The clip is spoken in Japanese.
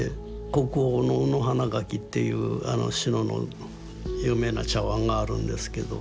国宝の「卯花墻」っていう志野の有名な茶碗があるんですけど。